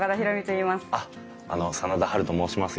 あっあの真田ハルと申します。